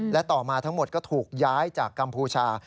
และต่อมาทั้งหมดก็ถูกย้ายจากกัมพูชา